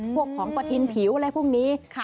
พวกของประทินผิวอะไรพวกนี้